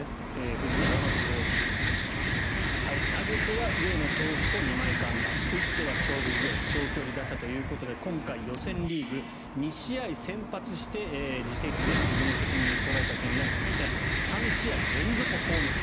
投げては上野投手と二枚看板打っては勝負強い長距離打者ということで予選リーグ２試合先発して自責点、自分の責任で取られた点が２点３試合連続ホームラン。